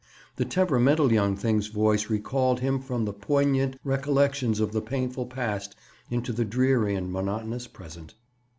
The temperamental young thing's voice recalled him from the poignant recollections of the painful past into the dreary and monotonous present.